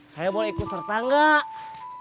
saya boleh ikut serta nggak